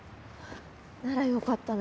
ならよかったね。